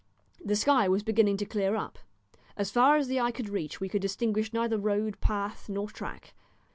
The sky was beginning to clear up. As far as the eye could reach we could distinguish neither road, path, nor track.